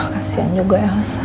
kasian juga elsa